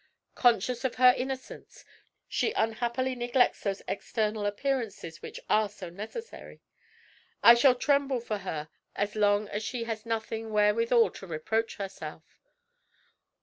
Conscious of her innocence, she unhappily neglects those external appearances which are so necessary. I shall tremble for her so long as she has nothing wherewithal to reproach herself.